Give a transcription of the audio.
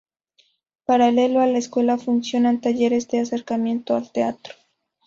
Paralelo a la escuela funcionan talleres de acercamiento al teatro.